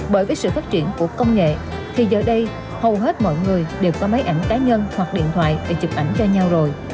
bởi với sự phát triển của công nghệ thì giờ đây hầu hết mọi người đều có máy ảnh cá nhân hoặc điện thoại để chụp ảnh cho nhau rồi